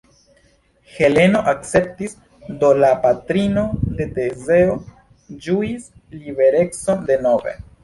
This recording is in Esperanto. Heleno akceptis, do la patrino de Tezeo ĝuis liberecon denove.